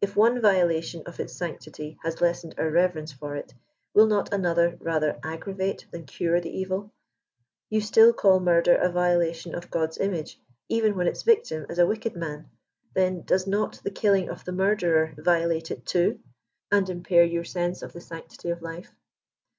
If one violation of its sanctity has lessened our reverence for it, will not another rather aggravate than cure the evil ? You still call murder a violation of God's image even when its victim is a wicked man ; then does not 'the killing of the murderer violate it too, and impair 130 your sense of the sanctity of life